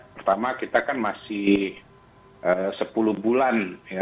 pertama kita kan masih sepuluh bulan